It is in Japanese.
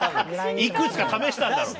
いくつか試したんだろうね。